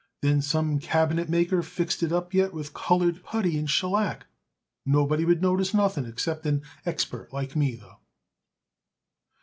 Then some cabinetmaker fixed it up yet with colored putty and shellac. Nobody would notice nothing except an expert like me, though."